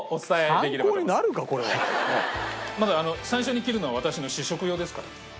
まだ最初に切るのは私の試食用ですから。